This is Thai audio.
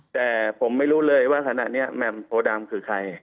แต่ผมไม่รู้เลยว่าขณะนี้แหม่มโพดำคือใคร